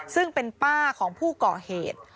ซึ่งเป็นป้าของผู้ก่อเหตุ